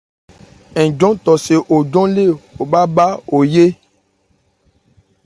Ńmjɔ́ tɔ se wo njɔn lê wo bhâ bhá wo yé.